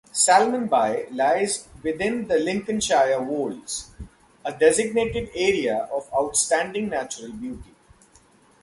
Salmonby lies within the Lincolnshire Wolds, a designated Area of Outstanding Natural Beauty.